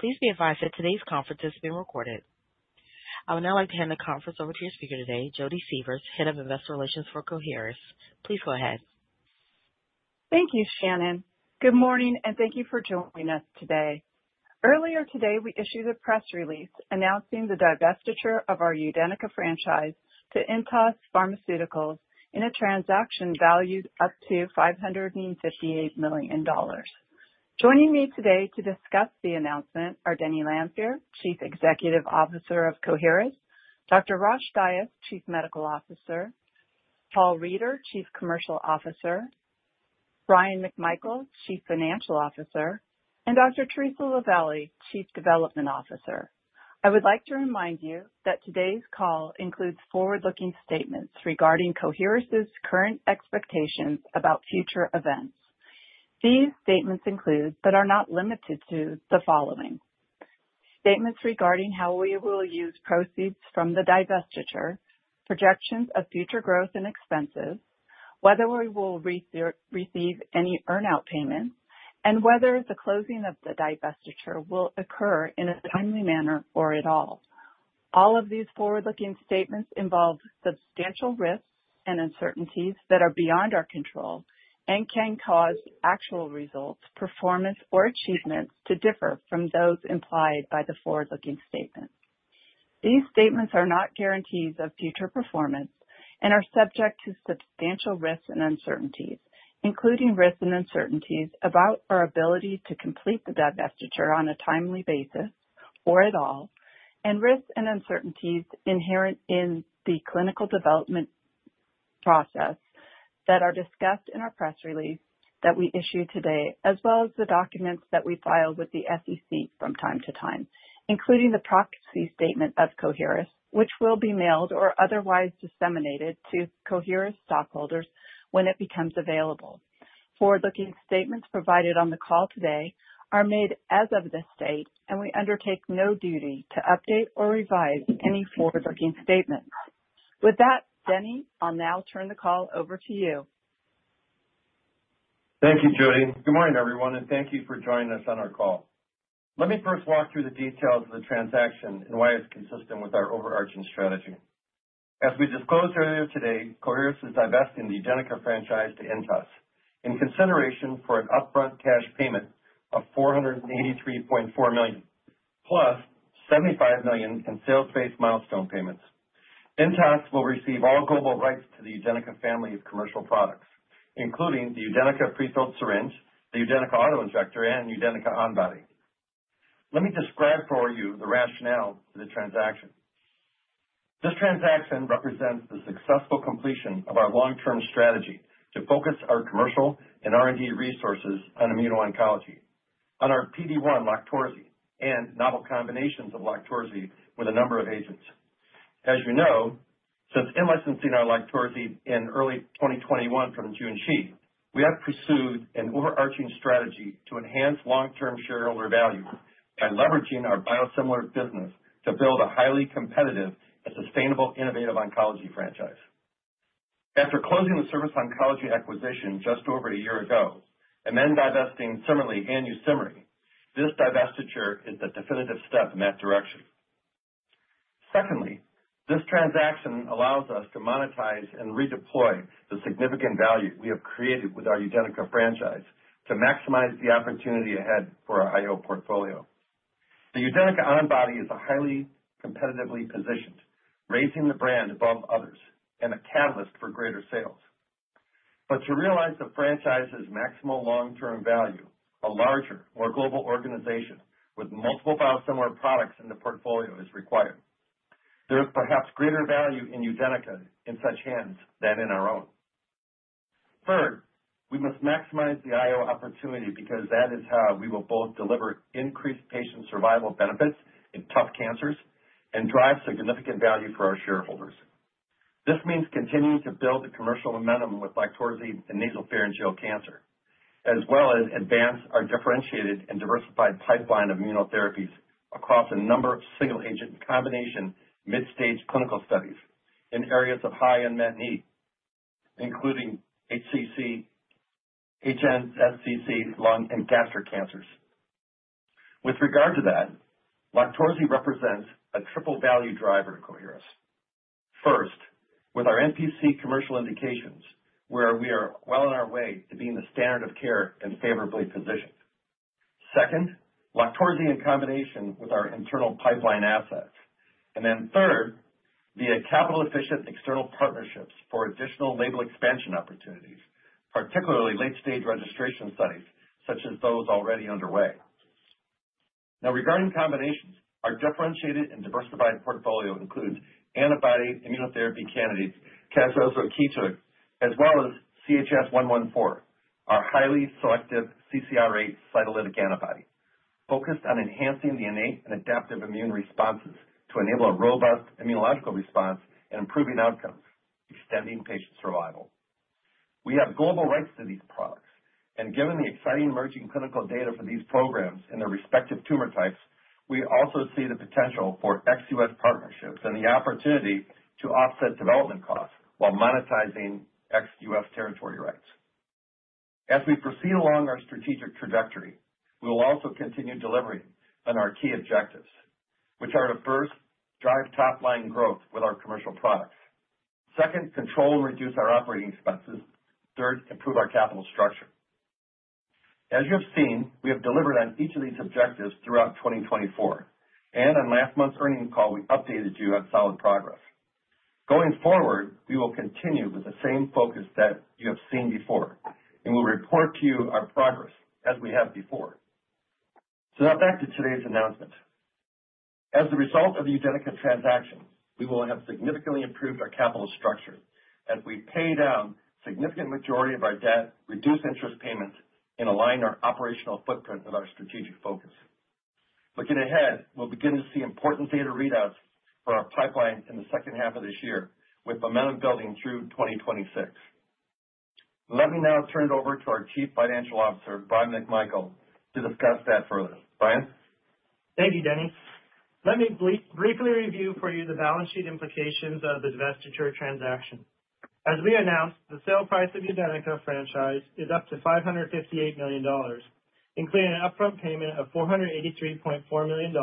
Please be advised that today's conference is being recorded. I would now like to hand the conference over to your speaker today, Jodi Sievers, Head of Investor Relations for Coherus. Please go ahead. Thank you, Shannon. Good morning, and thank you for joining us today. Earlier today, we issued a press release announcing the divestiture of our UDENYCA franchise to Intas Pharmaceuticals in a transaction valued up to $558 million. Joining me today to discuss the announcement are Denny Lanfear, Chief Executive Officer of Coherus, Dr. Rosh Dias, Chief Medical Officer, Paul Reider, Chief Commercial Officer, Bryan McMichael, Chief Financial Officer, and Dr. Theresa LaVallee, Chief Development Officer. I would like to remind you that today's call includes forward-looking statements regarding Coherus' current expectations about future events. These statements include, but are not limited to, the following: statements regarding how we will use proceeds from the divestiture, projections of future growth and expenses, whether we will receive any earnout payments, and whether the closing of the divestiture will occur in a timely manner or at all. All of these forward-looking statements involve substantial risks and uncertainties that are beyond our control and can cause actual results, performance, or achievements to differ from those implied by the forward-looking statements. These statements are not guarantees of future performance and are subject to substantial risks and uncertainties, including risks and uncertainties about our ability to complete the divestiture on a timely basis or at all, and risks and uncertainties inherent in the clinical development process that are discussed in our press release that we issue today, as well as the documents that we file with the SEC from time to time, including the Proxy Statement of Coherus, which will be mailed or otherwise disseminated to Coherus stockholders when it becomes available. Forward-looking statements provided on the call today are made as of this date, and we undertake no duty to update or revise any forward-looking statements. With that, Denny, I'll now turn the call over to you. Thank you, Jodi. Good morning, everyone, and thank you for joining us on our call. Let me first walk through the details of the transaction and why it's consistent with our overarching strategy. As we disclosed earlier today, Coherus is divesting the UDENYCA franchise to Intas in consideration for an upfront cash payment of $483.4 million, plus $75 million in sales-based milestone payments. Intas will receive all global rights to the UDENYCA family of commercial products, including the UDENYCA pre-filled syringe, the UDENYCA auto injector, and UDENYCA on-body. Let me describe for you the rationale for the transaction. This transaction represents the successful completion of our long-term strategy to focus our commercial and R&D resources on immuno-oncology, on our PD-1 LOQTORZI and novel combinations of LOQTORZI with a number of agents. As you know, since in-licensing our LOQTORZI in early 2021 from Junshi, we have pursued an overarching strategy to enhance long-term shareholder value by leveraging our biosimilar business to build a highly competitive and sustainable innovative oncology franchise. After closing the Surface Oncology acquisition just over a year ago and then divesting CIMERLI and YUSIMRY, this divestiture is the definitive step in that direction. Secondly, this transaction allows us to monetize and redeploy the significant value we have created with our UDENYCA franchise to maximize the opportunity ahead for our I/O portfolio. The UDENYCA on-body is highly competitively positioned, raising the brand above others and a catalyst for greater sales. But to realize the franchise's maximal long-term value, a larger, more global organization with multiple biosimilar products in the portfolio is required. There is perhaps greater value in UDENYCA in such hands than in our own. Third, we must maximize the I/O opportunity because that is how we will both deliver increased patient survival benefits in tough cancers and drive significant value for our shareholders. This means continuing to build the commercial momentum with LOQTORZI in nasopharyngeal cancer, as well as advance our differentiated and diversified pipeline of immunotherapies across a number of single-agent combination mid-stage clinical studies in areas of high unmet need, including HCC, HNSCC, lung, and gastric cancers. With regard to that, LOQTORZI represents a triple value driver to Coherus. First, with our NPC commercial indications, where we are well on our way to being the standard of care and favorably positioned. Second, LOQTORZI in combination with our internal pipeline assets. And then third, via capital-efficient external partnerships for additional label expansion opportunities, particularly late-stage registration studies such as those already underway. Now, regarding combinations, our differentiated and diversified portfolio includes antibody immunotherapy candidates casdozokitug, as well as CHS-114, our highly selective CCR8 cytolytic antibody, focused on enhancing the innate and adaptive immune responses to enable a robust immunological response and improving outcomes, extending patient survival. We have global rights to these products, and given the exciting emerging clinical data for these programs and their respective tumor types, we also see the potential for ex-U.S. partnerships and the opportunity to offset development costs while monetizing ex-U.S. territory rights. As we proceed along our strategic trajectory, we will also continue delivering on our key objectives, which are to first, drive top-line growth with our commercial products. Second, control and reduce our operating expenses. Third, improve our capital structure. As you have seen, we have delivered on each of these objectives throughout 2024, and on last month's earnings call, we updated you on solid progress. Going forward, we will continue with the same focus that you have seen before, and we'll report to you our progress as we have before. So now back to today's announcement. As a result of the UDENYCA transaction, we will have significantly improved our capital structure as we pay down a significant majority of our debt, reduce interest payments, and align our operational footprint with our strategic focus. Looking ahead, we'll begin to see important data readouts for our pipeline in the second half of this year, with momentum building through 2026. Let me now turn it over to our Chief Financial Officer, Bryan McMichael, to discuss that further. Brian? Thank you, Dennis. Let me briefly review for you the balance sheet implications of the divestiture transaction. As we announced, the sale price of UDENYCA franchise is up to $558 million, including an upfront payment of $483.4 million,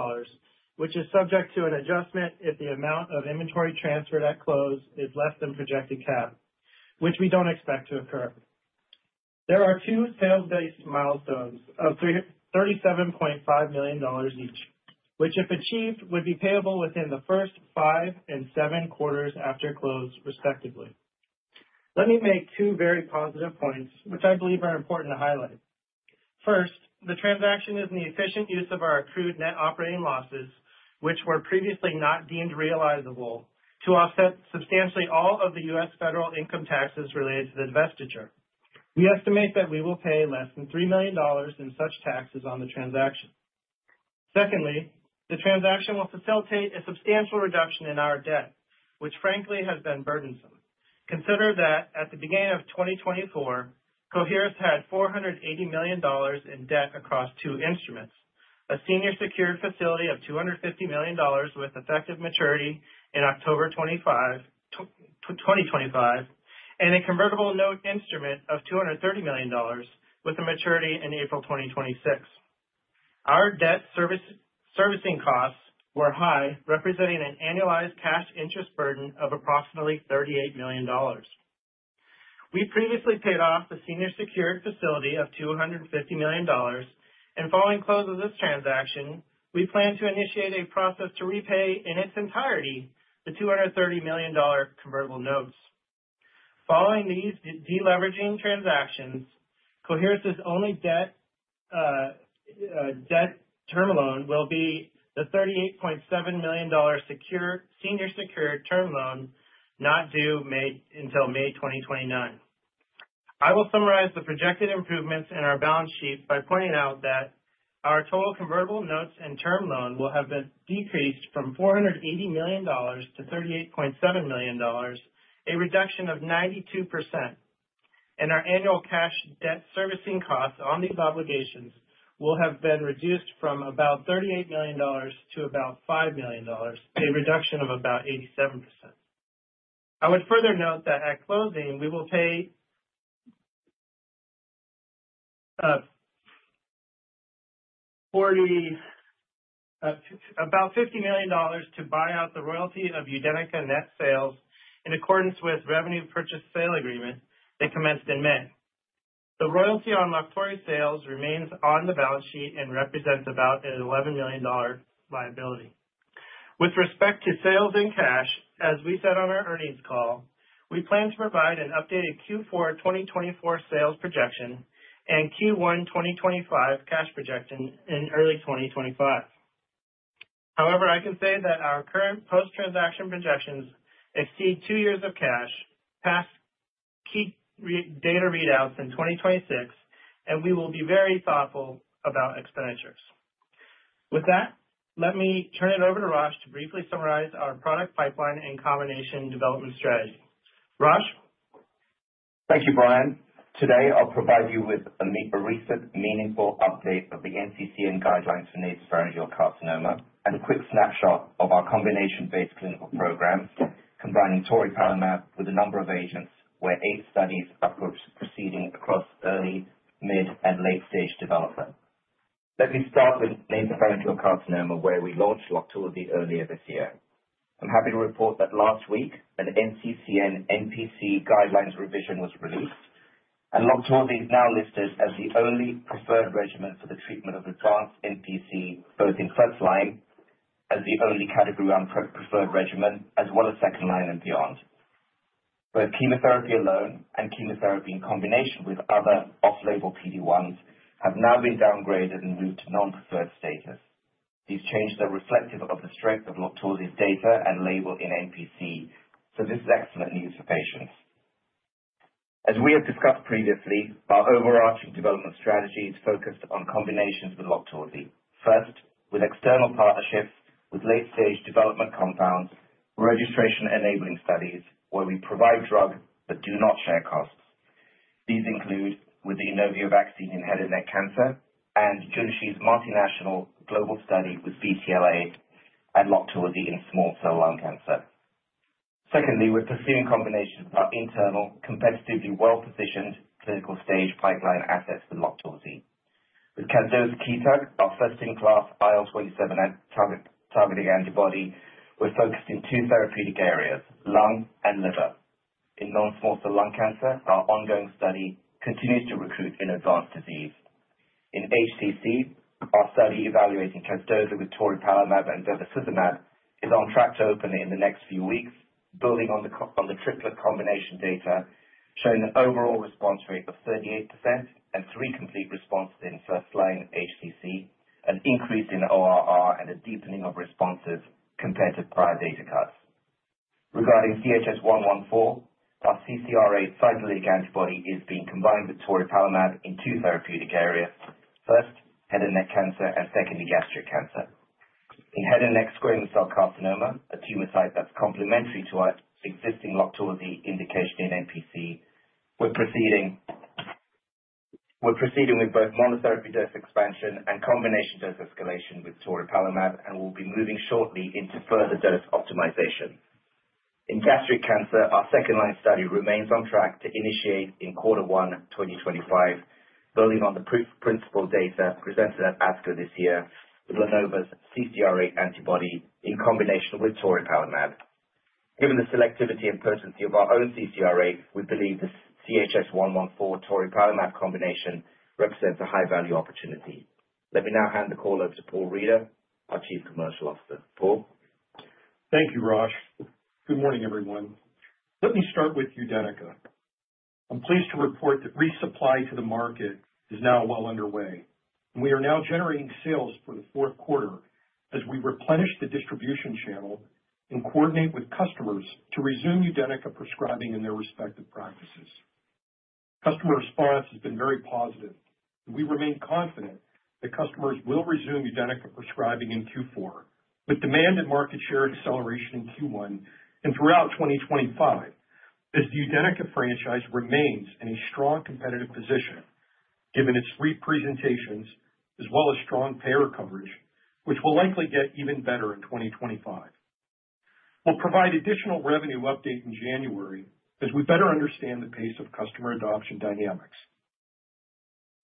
which is subject to an adjustment if the amount of inventory transferred at close is less than projected cap, which we don't expect to occur. There are two sales-based milestones of $37.5 million each, which, if achieved, would be payable within the first five and seven quarters after close, respectively. Let me make two very positive points, which I believe are important to highlight. First, the transaction is an efficient use of our accrued net operating losses, which were previously not deemed realizable, to offset substantially all of the U.S. federal income taxes related to the divestiture. We estimate that we will pay less than $3 million in such taxes on the transaction. Secondly, the transaction will facilitate a substantial reduction in our debt, which, frankly, has been burdensome. Consider that at the beginning of 2024, Coherus had $480 million in debt across two instruments: a senior secured facility of $250 million with effective maturity in October 2025, and a convertible note instrument of $230 million with a maturity in April 2026. Our debt servicing costs were high, representing an annualized cash interest burden of approximately $38 million. We previously paid off the senior secured facility of $250 million, and following close of this transaction, we plan to initiate a process to repay in its entirety the $230 million convertible notes. Following these deleveraging transactions, Coherus' only debt term loan will be the $38.7 million senior secured term loan not due until May 2029. I will summarize the projected improvements in our balance sheet by pointing out that our total convertible notes and term loan will have been decreased from $480 million to $38.7 million, a reduction of 92%, and our annual cash debt servicing costs on these obligations will have been reduced from about $38 million to about $5 million, a reduction of about 87%. I would further note that at closing, we will pay about $50 million to buy out the royalty of UDENYCA net sales in accordance with revenue purchase sale agreement that commenced in May. The royalty on LOQTORZI sales remains on the balance sheet and represents about an $11 million liability. With respect to sales in cash, as we said on our earnings call, we plan to provide an updated Q4 2024 sales projection and Q1 2025 cash projection in early 2025. However, I can say that our current post-transaction projections exceed two years of cash, past key data readouts in 2026, and we will be very thoughtful about expenditures. With that, let me turn it over to Rosh to briefly summarize our product pipeline and combination development strategy. Rosh? Thank you, Bryan. Today, I'll provide you with a recent meaningful update of the NCCN guidelines for nasopharyngeal carcinoma and a quick snapshot of our combination-based clinical program, combining toripalimab with a number of agents, where eight studies approached proceeding across early, mid, and late-stage development. Let me start with nasopharyngeal carcinoma, where we launched LOQTORZI earlier this year. I'm happy to report that last week, an NCCN NPC guidelines revision was released, and LOQTORZI is now listed as the only preferred regimen for the treatment of advanced NPC, both in first line as the only category on preferred regimen, as well as second line and beyond. Both chemotherapy alone and chemotherapy in combination with other off-label PD-1s have now been downgraded and moved to non-preferred status. These changes are reflective of the strength of LOQTORZI's data and label in NPC, so this is excellent news for patients. As we have discussed previously, our overarching development strategy is focused on combinations with LOQTORZI. First, with external partnerships with late-stage development compounds, registration-enabling studies, where we provide drugs but do not share costs. These include with the Inovio vaccine in head and neck cancer and Junshi's multinational global study with BTLA and LOQTORZI in small cell lung cancer. Secondly, we're pursuing combinations with our internal, competitively well-positioned clinical stage pipeline assets for LOQTORZI. With casdozokitug, our first-in-class IL-27 targeting antibody, we're focused in two therapeutic areas: lung and liver. In non-small cell lung cancer, our ongoing study continues to recruit in advanced disease. In HCC, our study evaluating casdozo with toripalimab and bevacizumab is on track to open in the next few weeks, building on the triplet combination data, showing an overall response rate of 38% and three complete responses in first line HCC, an increase in ORR, and a deepening of responses compared to prior data cuts. Regarding CHS-114, our CCR8 cytolytic antibody is being combined with toripalimab in two therapeutic areas: first, head and neck cancer, and secondly, gastric cancer. In head and neck squamous cell carcinoma, a tumor site that's complementary to our existing LOQTORZI indication in NPC, we're proceeding with both monotherapy dose expansion and combination dose escalation with toripalimab, and we'll be moving shortly into further dose optimization. In gastric cancer, our second-line study remains on track to initiate in quarter one 2025, building on the principal data presented at ASCO this year with LaNova's CCR8 antibody in combination with toripalimab. Given the selectivity and potency of our own CCR8, we believe the CHS-114 toripalimab combination represents a high-value opportunity. Let me now hand the call over to Paul Reider, our Chief Commercial Officer. Paul? Thank you, Rosh. Good morning, everyone. Let me start with UDENYCA. I'm pleased to report that resupply to the market is now well underway, and we are now generating sales for the fourth quarter as we replenish the distribution channel and coordinate with customers to resume UDENYCA prescribing in their respective practices. Customer response has been very positive, and we remain confident that customers will resume UDENYCA prescribing in Q4, with demand and market share acceleration in Q1 and throughout 2025, as the UDENYCA franchise remains in a strong competitive position, given its three presentations, as well as strong payer coverage, which will likely get even better in 2025. We'll provide additional revenue update in January as we better understand the pace of customer adoption dynamics.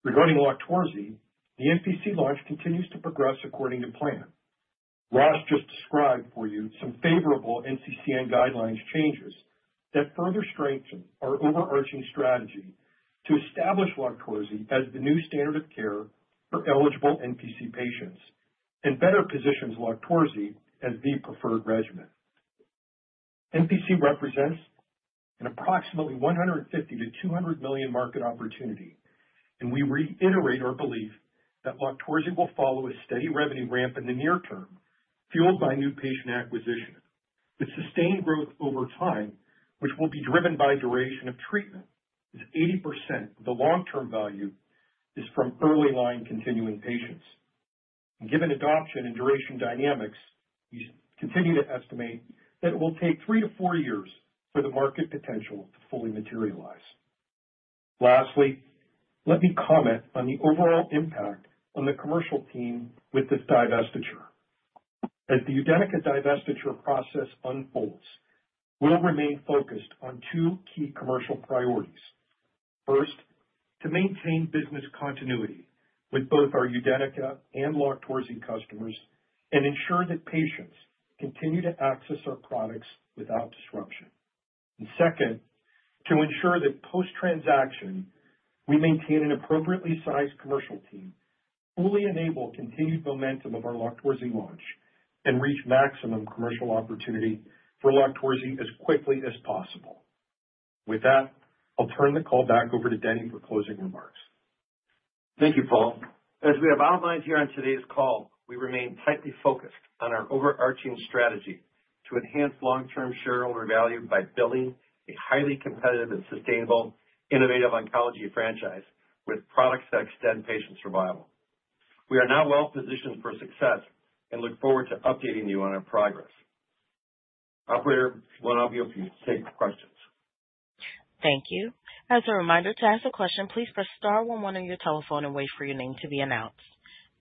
Regarding LOQTORZI, the NPC launch continues to progress according to plan. Rosh just described for you some favorable NCCN guidelines changes that further strengthen our overarching strategy to establish LOQTORZI as the new standard of care for eligible NPC patients and better positions LOQTORZI as the preferred regimen. NPC represents an approximately $150 million-$200 million market opportunity, and we reiterate our belief that LOQTORZI will follow a steady revenue ramp in the near term, fueled by new patient acquisition. With sustained growth over time, which will be driven by duration of treatment, as 80% of the long-term value is from early line continuing patients. Given adoption and duration dynamics, we continue to estimate that it will take three to four years for the market potential to fully materialize. Lastly, let me comment on the overall impact on the commercial team with this divestiture. As the UDENYCA divestiture process unfolds, we'll remain focused on two key commercial priorities. First, to maintain business continuity with both our UDENYCA and LOQTORZI customers and ensure that patients continue to access our products without disruption. And second, to ensure that post-transaction, we maintain an appropriately sized commercial team, fully enable continued momentum of our LOQTORZI launch, and reach maximum commercial opportunity for LOQTORZI as quickly as possible. With that, I'll turn the call back over to Denny for closing remarks. Thank you, Paul. As we have outlined here on today's call, we remain tightly focused on our overarching strategy to enhance long-term shareholder value by building a highly competitive and sustainable innovative oncology franchise with products that extend patient survival. We are now well-positioned for success and look forward to updating you on our progress. Operator, I'll leave it up to you to take questions. Thank you. As a reminder, to ask a question, please press star one one on your telephone and wait for your name to be announced.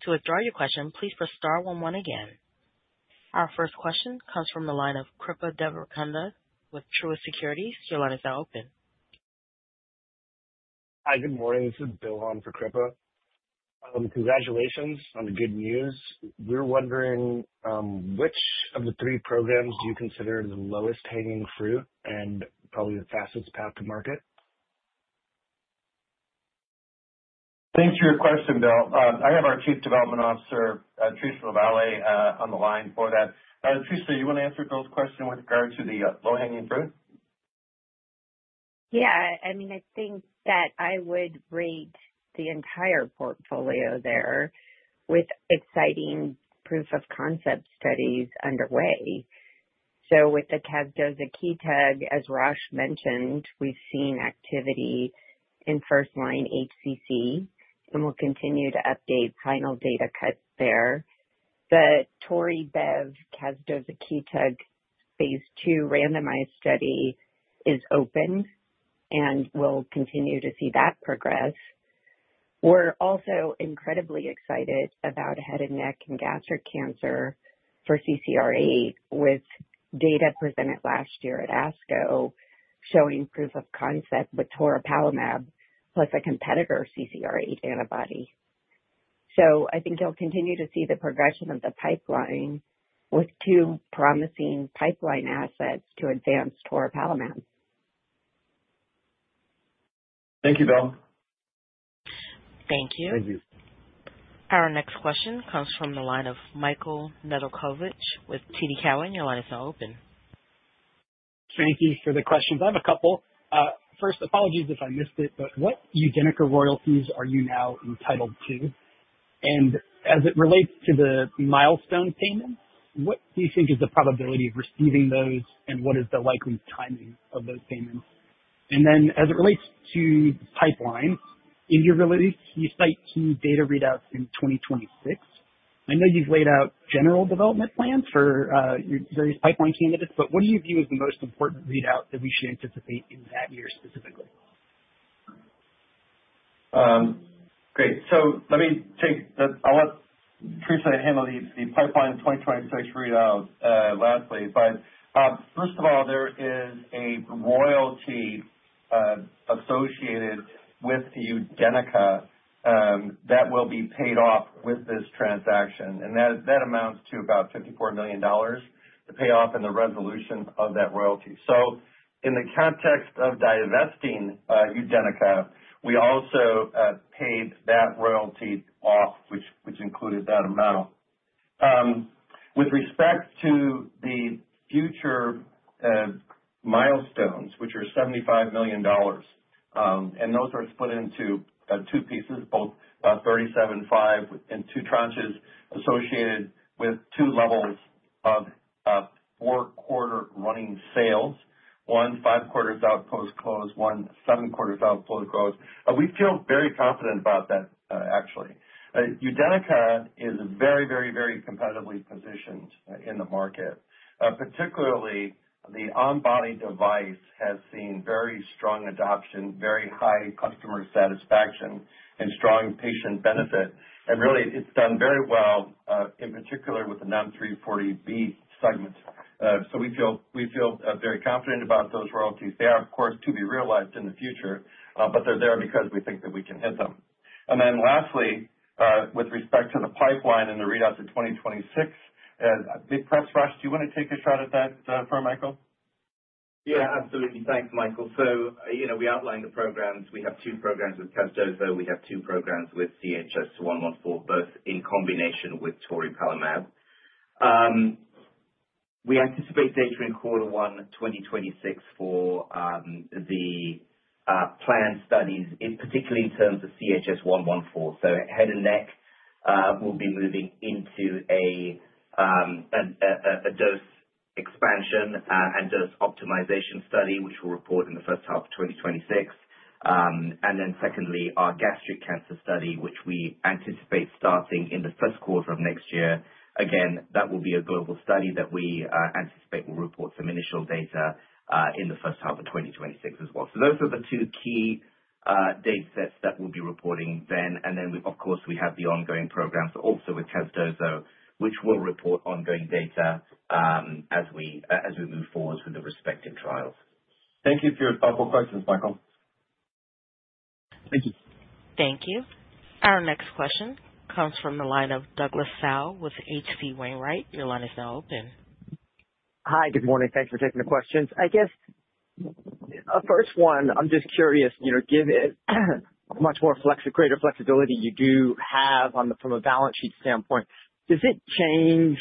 To withdraw your question, please press star one one again. Our first question comes from the line of Kripa Devarakonda with Truist Securities. Your line is now open. Hi, good morning. This is Bill on for Kripa. Congratulations on the good news. We're wondering which of the three programs do you consider the lowest hanging fruit and probably the fastest path to market? Thanks for your question, Bill. I have our Chief Development Officer, Theresa LaVallee, on the line for that. Theresa, you want to answer Bill's question with regard to the low-hanging fruit? Yeah. I mean, I think that I would rate the entire portfolio there with exciting proof-of-concept studies underway. So with the casdozokitug, as Rosh mentioned, we've seen activity in first-line HCC, and we'll continue to update final data cuts there. The tori, bev, casdozokitug phase II randomized study is open and will continue to see that progress. We're also incredibly excited about head and neck and gastric cancer for CCR8, with data presented last year at ASCO showing proof-of-concept with toripalimab, plus a competitor CCR8 antibody. So I think you'll continue to see the progression of the pipeline with two promising pipeline assets to advance toripalimab. Thank you, Bill. Thank you. Thank you. Our next question comes from the line of Michael Nedelcovych with TD Cowen. Your line is now open. Thank you for the questions. I have a couple. First, apologies if I missed it, but what UDENYCA royalties are you now entitled to? And as it relates to the milestone payments, what do you think is the probability of receiving those, and what is the likely timing of those payments? And then as it relates to pipeline, in your release, you cite two data readouts in 2026. I know you've laid out general development plans for your various pipeline candidates, but what do you view as the most important readout that we should anticipate in that year specifically? Great. So let me take. I'll let Theresa handle the pipeline 2026 readout lastly, but first of all, there is a royalty associated with UDENYCA that will be paid off with this transaction, and that amounts to about $54 million to pay off and the resolution of that royalty. So in the context of divesting UDENYCA, we also paid that royalty off, which included that amount. With respect to the future milestones, which are $75 million, and those are split into two pieces, both $37.5 million in two tranches associated with two levels of four-quarter running sales: one five quarters out post-close, one seven quarters out post-close. We feel very confident about that, actually. UDENYCA is very, very, very competitively positioned in the market. Particularly, the on-body device has seen very strong adoption, very high customer satisfaction, and strong patient benefit. Really, it's done very well, in particular, with the non-340B segment. We feel very confident about those royalties. They are, of course, to be realized in the future, but they're there because we think that we can hit them. Lastly, with respect to the pipeline and the readouts of 2026, Rosh, do you want to take a shot at that for Michael? Yeah, absolutely. Thanks, Michael. We outlined the programs. We have two programs with casdozo. We have two programs with CHS-114, both in combination with toripalimab. We anticipate data in quarter one 2026 for the planned studies, particularly in terms of CHS-114. Head and neck will be moving into a dose expansion and dose optimization study, which we'll report in the first half of 2026. And then secondly, our gastric cancer study, which we anticipate starting in the first quarter of next year. Again, that will be a global study that we anticipate will report some initial data in the first half of 2026 as well. So those are the two key data sets that we'll be reporting then. And then, of course, we have the ongoing programs also with casdozo, which will report ongoing data as we move forward with the respective trials. Thank you for your thoughtful questions, Michael. Thank you. Thank you. Our next question comes from the line of Douglas Tsao with H.C. Wainwright. Your line is now open. Hi, good morning. Thanks for taking the questions. I guess the first one, I'm just curious, given much more greater flexibility you do have from a balance sheet standpoint, does it change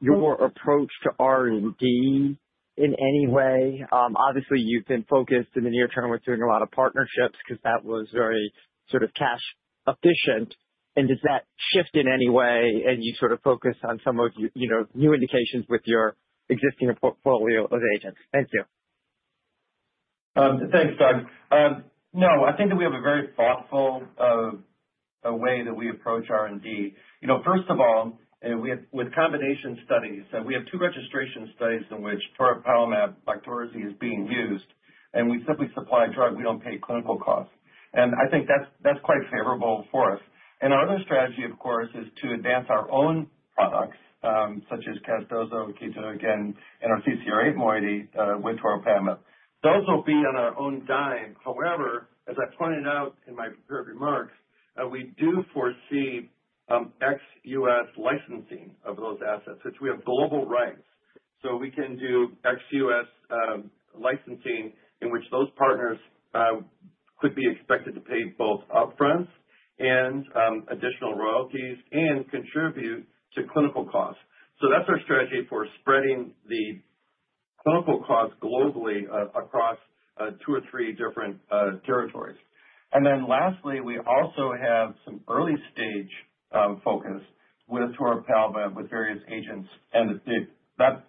your approach to R&D in any way? Obviously, you've been focused in the near term with doing a lot of partnerships because that was very sort of cash-efficient. And does that shift in any way as you sort of focus on some of the new indications with your existing portfolio of agents? Thank you. Thanks, Doug. No, I think that we have a very thoughtful way that we approach R&D. First of all, with combination studies, we have two registration studies in which toripalimab LOQTORZI is being used, and we simply supply drug. We don't pay clinical costs. And I think that's quite favorable for us. And our other strategy, of course, is to advance our own products, such as casdozokitug, again, and our CCR8 moiety with toripalimab. Those will be on our own dime. However, as I pointed out in my prepared remarks, we do foresee ex-U.S. licensing of those assets, which we have global rights. So we can do ex-U.S. licensing in which those partners could be expected to pay both upfronts and additional royalties and contribute to clinical costs. So that's our strategy for spreading the clinical costs globally across two or three different territories. And then lastly, we also have some early-stage focus with toripalimab with various agents. And that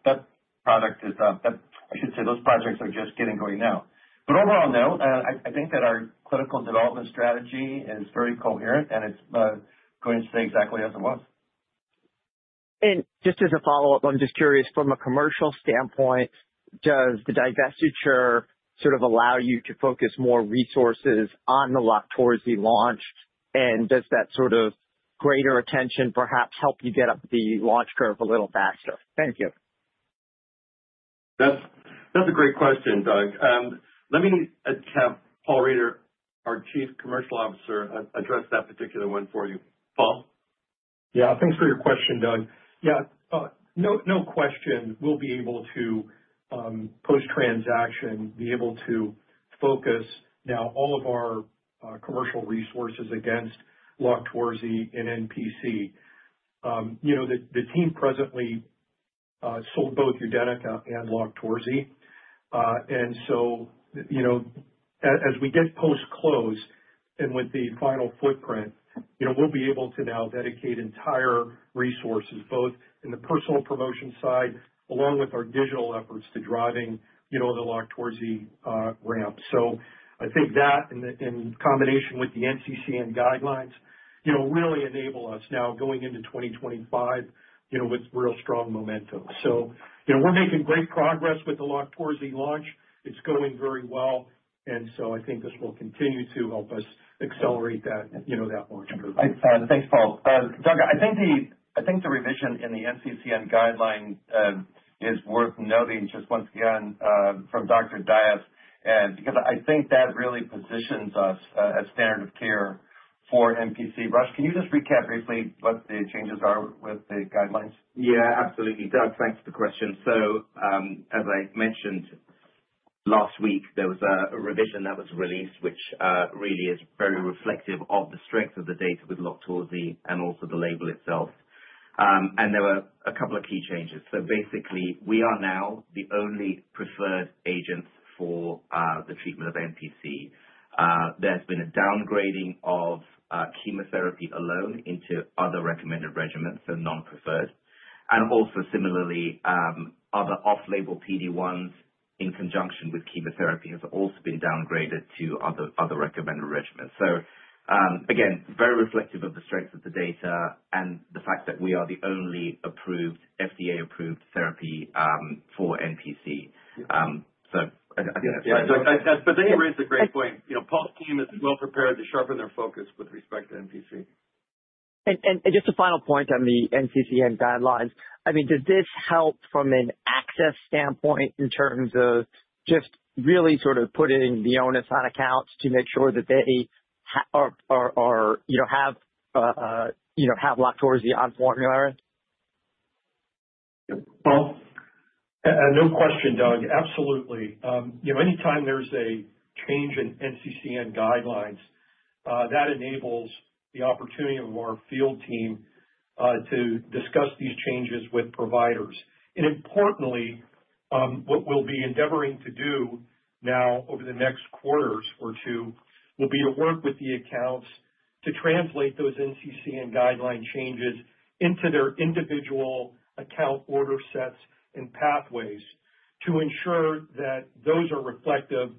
product is, I should say those projects are just getting going now. But overall, no. I think that our clinical development strategy is very coherent, and it's going to stay exactly as it was. Just as a follow-up, I'm just curious, from a commercial standpoint, does the divestiture sort of allow you to focus more resources on the LOQTORZI launch? Does that sort of greater attention perhaps help you get up the launch curve a little faster? Thank you. That's a great question, Doug. Let me have Paul Reider, our Chief Commercial Officer, address that particular one for you. Paul? Yeah. Thanks for your question, Doug. Yeah. No question, we'll be able to post-transaction be able to focus now all of our commercial resources against LOQTORZI and NPC. The team presently sold both UDENYCA and LOQTORZI. And so as we get post-close and with the final footprint, we'll be able to now dedicate entire resources, both in the personal promotion side along with our digital efforts to driving the LOQTORZI ramp. So I think that in combination with the NCCN Guidelines really enable us now going into 2025 with real strong momentum. So we're making great progress with the LOQTORZI launch. It's going very well. And so I think this will continue to help us accelerate that launch curve. Thanks, Paul. Doug, I think the revision in the NCCN guideline is worth noting just once again from Dr. Dias, because I think that really positions us as standard of care for NPC. Rosh, can you just recap briefly what the changes are with the guidelines? Yeah, absolutely. Doug, thanks for the question. So as I mentioned last week, there was a revision that was released, which really is very reflective of the strength of the data with LOQTORZI and also the label itself. And there were a couple of key changes. So basically, we are now the only preferred agents for the treatment of NPC. There has been a downgrading of chemotherapy alone into other recommended regimens, so non-preferred. And also, similarly, other off-label PD-1s in conjunction with chemotherapy have also been downgraded to other recommended regimens. So again, very reflective of the strength of the data and the fact that we are the only approved FDA-approved therapy for NPC. So I think— Yeah. But then you raise a great point. Paul's team is well prepared to sharpen their focus with respect to NPC. Just a final point on the NCCN guidelines. I mean, does this help from an access standpoint in terms of just really sort of putting the onus on accounts to make sure that they have LOQTORZI on formulary? Paul? No question, Doug. Absolutely. Anytime there's a change in NCCN guidelines, that enables the opportunity of our field team to discuss these changes with providers. And importantly, what we'll be endeavoring to do now over the next quarter or two will be to work with the accounts to translate those NCCN guideline changes into their individual account order sets and pathways to ensure that those are reflective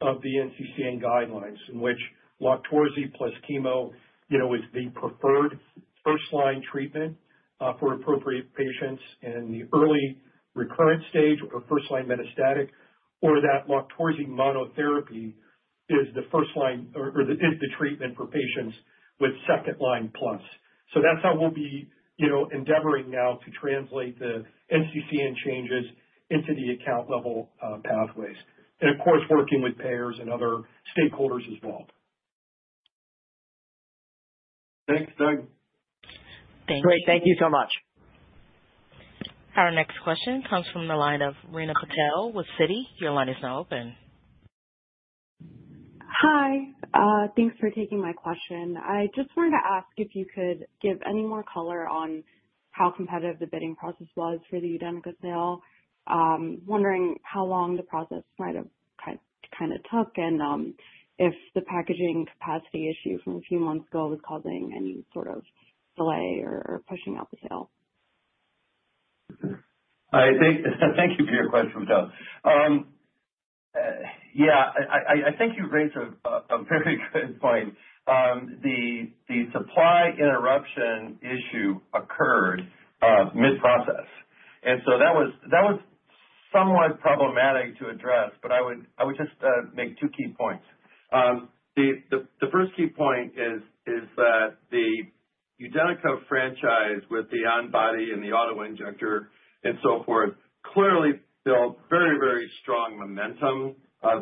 of the NCCN guidelines in which LOQTORZI plus chemo is the preferred first-line treatment for appropriate patients in the early recurrent stage or first-line metastatic, or that LOQTORZI monotherapy is the first line or is the treatment for patients with second-line plus. So that's how we'll be endeavoring now to translate the NCCN changes into the account-level pathways. And of course, working with payers and other stakeholders as well. Thanks, Doug. Thank you. Great. Thank you so much. Our next question comes from the line of Reena Patel with Citi. Your line is now open. Hi. Thanks for taking my question. I just wanted to ask if you could give any more color on how competitive the bidding process was for the UDENYCA sale. I'm wondering how long the process might have kind of took and if the packaging capacity issue from a few months ago was causing any sort of delay or pushing out the sale? Thank you for your question, [Doug]. Yeah. I think you raised a very good point. The supply interruption issue occurred mid-process. And so that was somewhat problematic to address, but I would just make two key points. The first key point is that the UDENYCA franchise with the on-body and the auto injector and so forth clearly built very, very strong momentum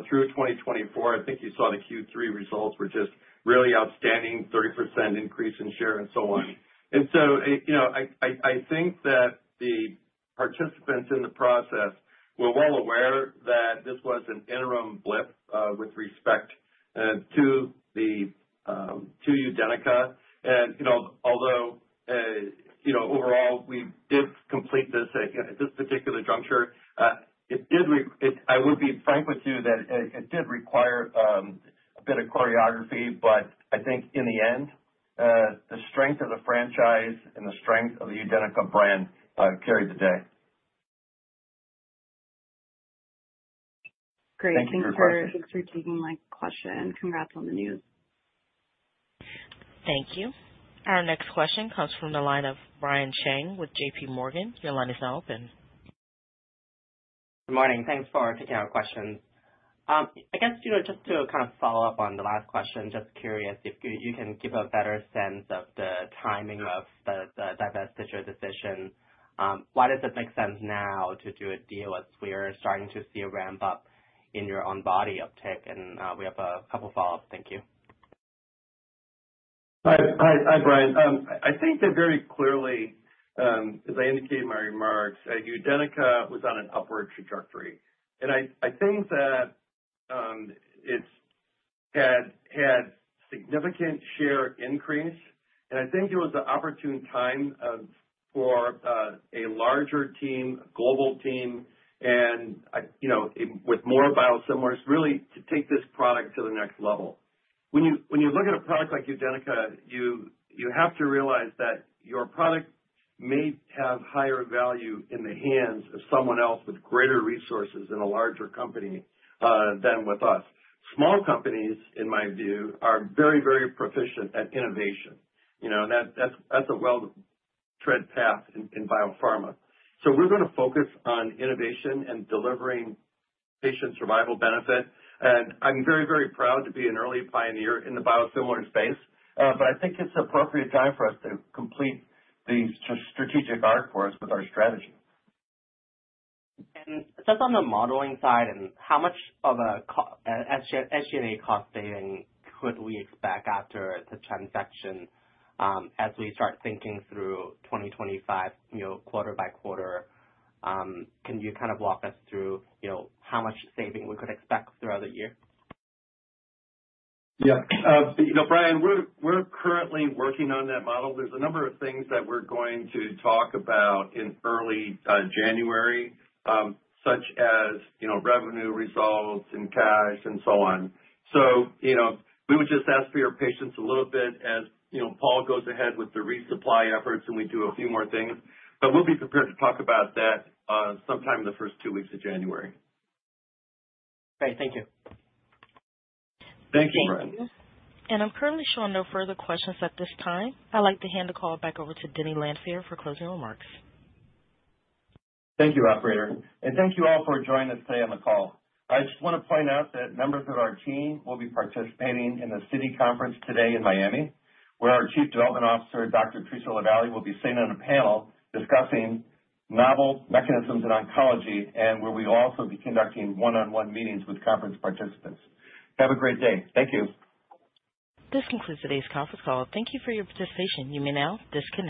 through 2024. I think you saw the Q3 results were just really outstanding, 30% increase in share and so on. And so I think that the participants in the process were well aware that this was an interim blip with respect to UDENYCA. Although overall, we did complete this at this particular juncture, I would be frank with you that it did require a bit of choreography, but I think in the end, the strength of the franchise and the strength of the UDENYCA brand carried the day. Great. Thank you for taking my question. Congrats on the news. Thank you. Our next question comes from the line of Brian Cheng with JPMorgan. Your line is now open. Good morning. Thanks for taking our questions. I guess just to kind of follow up on the last question, just curious if you can give a better sense of the timing of the divestiture decision. Why does it make sense now to do a deal as we're starting to see a ramp-up in your on-body uptick? And we have a couple of follow-ups. Thank you. Hi, Brian. I think that very clearly, as I indicated in my remarks, UDENYCA was on an upward trajectory. And I think that it's had significant share increase. And I think it was the opportune time for a larger team, a global team, and with more biosimilars really to take this product to the next level. When you look at a product like UDENYCA, you have to realize that your product may have higher value in the hands of someone else with greater resources in a larger company than with us. Small companies, in my view, are very, very proficient at innovation. That's a well-trod path in biopharma. So we're going to focus on innovation and delivering patient survival benefit. I'm very, very proud to be an early pioneer in the biosimilar space, but I think it's an appropriate time for us to complete the strategic arc for us with our strategy. Just on the modeling side, how much of an SG&A cost saving could we expect after the transaction as we start thinking through 2025 quarter-by-quarter? Can you kind of walk us through how much saving we could expect throughout the year? Yeah. Brian, we're currently working on that model. There's a number of things that we're going to talk about in early January, such as revenue results and cash and so on. So we would just ask for your patience a little bit as Paul goes ahead with the resupply efforts and we do a few more things. But we'll be prepared to talk about that sometime in the first two weeks of January. Great. Thank you. Thank you, Brian. Thank you. And I'm currently showing no further questions at this time. I'd like to hand the call back over to Denny Lanfear for closing remarks. Thank you, operator. And thank you all for joining us today on the call. I just want to point out that members of our team will be participating in the Citi Conference today in Miami, where our Chief Development Officer, Dr. Theresa LaVallee, will be sitting on a panel discussing novel mechanisms in oncology, and where we will also be conducting one-on-one meetings with conference participants. Have a great day. Thank you. This concludes today's conference call. Thank you for your participation. You may now disconnect.